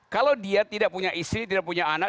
kalau dia tidak punya istri tidak punya anak